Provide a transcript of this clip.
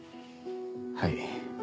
はい。